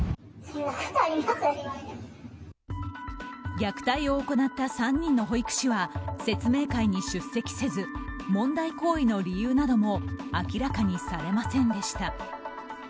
虐待を行った３人の保育士は説明会に出席せず問題行為の理由なども明らかにされませんでした。